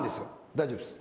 大丈夫です。